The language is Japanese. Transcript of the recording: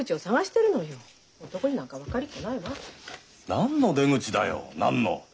何の出口だよ！？何の！？